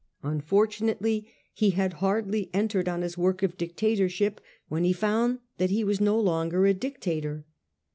Unfortunately he had hardly entered on his work of dictatorship when he found that he was no longer a dictator.